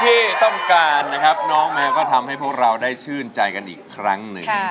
ที่ต้องการนะครับน้องแมวก็ทำให้พวกเราได้ชื่นใจกันอีกครั้งหนึ่ง